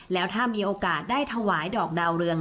แล้วถ้ามีโอกาสได้ถวายดอกดาวเรือง